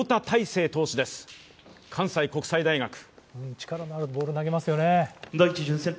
力のあるボールを投げますよね。